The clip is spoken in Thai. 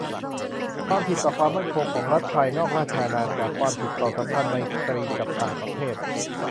ความผิดต่อความมั่นคงของรัฐภายนอกราชอาณาจักร ความผิดต่อสัมพันธไมตรีกับต่างประเทศ